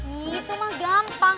itu mah gampang